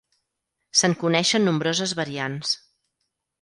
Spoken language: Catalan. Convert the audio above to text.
Se'n coneixen nombroses variants.